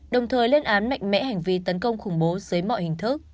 đồng thời lên án mạnh mẽ hành vi tấn công khủng bố dưới mọi hình thức